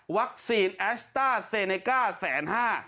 วัคซีนแอสต้าเซเนก้าแสนห้า